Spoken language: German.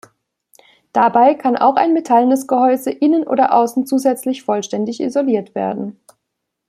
Dabei kann auch ein metallenes Gehäuse innen oder außen zusätzlich vollständig isoliert werden.